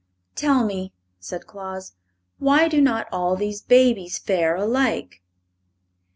"Tell me," said Claus, "why do not all these babies fare alike?"